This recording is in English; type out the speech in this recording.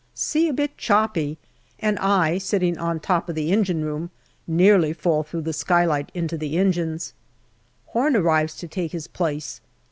Sea a bit choppy, and I, sitting on the top of the engine room, nearly fall through the skylight into the engines. Home arrives to take his place.